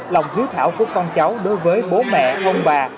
lòng hứa thảo phúc con cháu đối với bố mẹ ông bà